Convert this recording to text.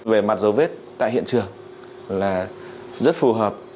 về mặt dấu vết tại hiện trường là rất phù hợp